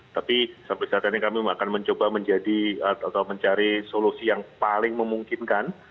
tapi sampai saat ini kami akan mencoba menjadi atau mencari solusi yang paling memungkinkan